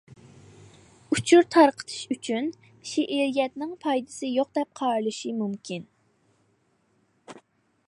ئۇچۇر تارقىتىش ئۈچۈن شېئىرىيەتنىڭ پايدىسى يوق دەپ قارىلىشى مۇمكىن.